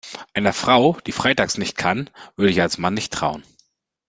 Einer Frau, die Freitags nicht kann, würde ich als Mann nicht trauen.